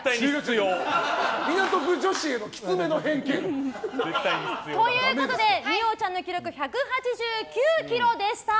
港区女子へのきつめの偏見。ということで二葉ちゃんの記録１８９ｋｇでした。